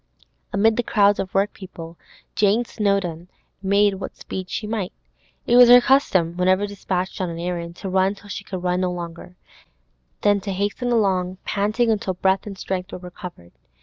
Amid the crowds of workpeople, Jane Snowdon made what speed she might. It was her custom, whenever dispatched on an errand, to run till she could run no longer, then to hasten along panting until breath and strength were recovered.